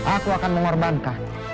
aku akan mengorbankan